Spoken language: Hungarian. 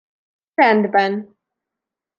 Rendben.